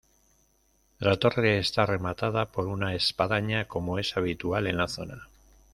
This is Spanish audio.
La torre está rematada por una espadaña, como es habitual en la zona.